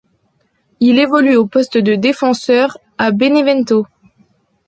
Il évolue au poste de défenseur à benevento.